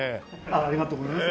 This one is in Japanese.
ありがとうございます。